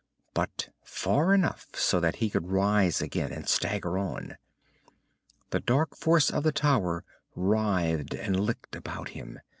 But far enough so that he could rise again and stagger on. The dark force of the tower writhed and licked about him.